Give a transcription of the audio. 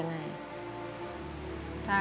ขอบคุณครับ